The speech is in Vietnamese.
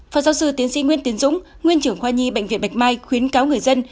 phó giáo sư tiến sĩ nguyễn tiến dũng nguyên trưởng khoa nhi bệnh viện bạch mai khuyến cáo người dân